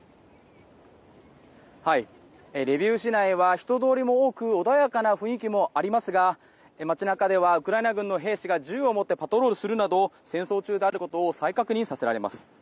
リビウ市内は人通りも多く穏やかな雰囲気もありますが街中ではウクライナ軍の兵士が銃を持ってパトロールするなど戦争中であることを再確認されます。